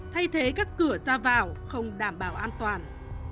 thay thế các cửa ra vào không đảm bảo an toàn